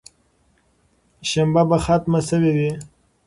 شننه به ختمه شوې وي.